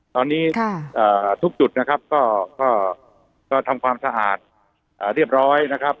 ตอนนี้ทุกจุดนะครับก็ทำความสะอาดเรียบร้อยนะครับ